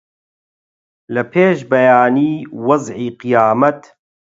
لە پێش بەیانی وەزعی قیامەت